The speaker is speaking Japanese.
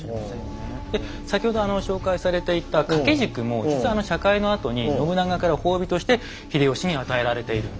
で先ほど紹介されていた掛け軸も実はあの茶会のあとに信長から褒美として秀吉に与えられているんですよ。